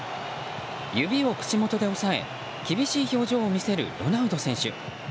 指を口元で押さえ厳しい表情を見せるロナウド選手。